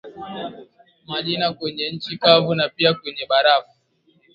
majini kwenye nchi kavu na pia kwenye barafu